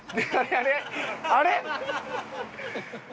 あれ？